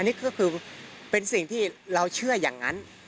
นี่ก็คือเป็นสิ่งที่เราเชื่ออย่างนั้น